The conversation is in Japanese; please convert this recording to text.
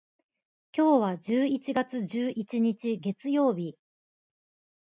今日は十一月十一日、月曜日。